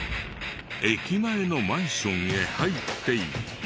駅前のマンションへ入っていった。